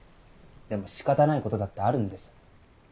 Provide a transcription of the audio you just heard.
でも仕方ないことだってあるんです。